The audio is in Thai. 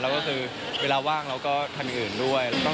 แล้วก็คือเวลาว่างเราก็ทำอย่างอื่นด้วย